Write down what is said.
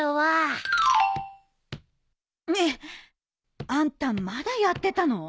えっあんたまだやってたの？